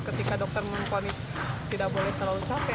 ketika dokter memponis tidak boleh terlalu capek